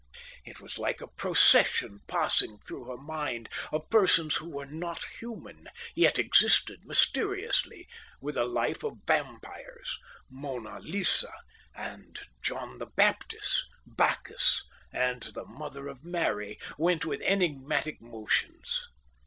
It was like a procession passing through her mind of persons who were not human, yet existed mysteriously, with a life of vampires. Mona Lisa and Saint John the Baptist, Bacchus and the mother of Mary, went with enigmatic motions.